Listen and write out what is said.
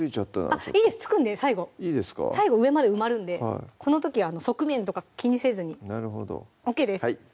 ちょっといいです付くんで最後最後上まで埋まるんでこの時は側面とか気にせずになるほどＯＫです